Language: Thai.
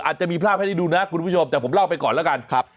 จะมีภาพให้ได้ดูนะคุณผู้ชมแต่ผมเล่าไปก่อนแล้วกันครับ